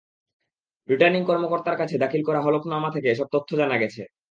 Returning কর্মকর্তার কাছে দাখিল করা হলফনামা থেকে এসব তথ্য জানা গেছে।